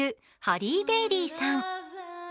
ハリー・ベイリーさん。